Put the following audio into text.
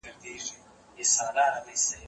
مځکي ته وګوره!.